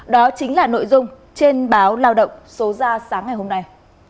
đó chính là nội dung trên báo lao động số ra sáng ngày hôm nay